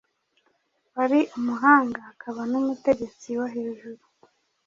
wari umuhanga akaba n’umutegetsi wo hejuru.